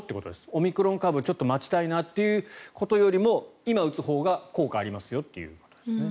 オミクロン株ちょっと待ちたいなということよりも今、打つほうが効果がありますよと。